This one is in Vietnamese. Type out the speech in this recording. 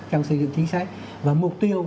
trong xây dựng chính sách và mục tiêu